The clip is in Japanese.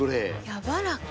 やわらか。